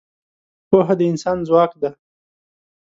پوهه د انسان ځواک ده.